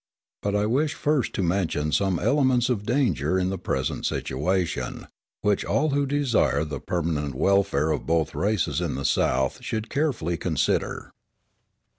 But I wish first to mention some elements of danger in the present situation, which all who desire the permanent welfare of both races in the South should carefully consider.